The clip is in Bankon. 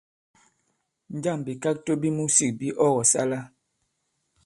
Njâŋ bìkakto bi musik bi ɔ kɔ̀sala ?